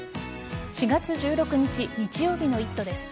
４月１６日日曜日の「イット！」です。